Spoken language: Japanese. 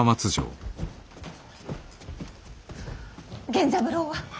源三郎は。